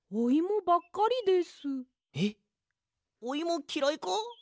おイモきらいか？